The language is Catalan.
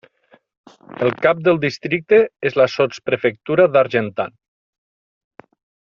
El cap del districte és la sotsprefectura d'Argentan.